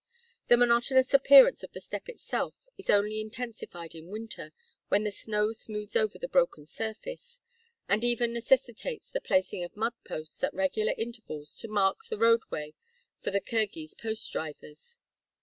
The monotonous appearance of the steppe itself is only intensified in winter, when the snow smooths over the broken surface, and 114 Across Asia on a Bicycle even necessitates the placing of mud posts at regular intervals to mark the roadway for the Kirghiz post drivers.